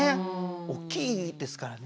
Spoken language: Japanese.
おっきいですからね。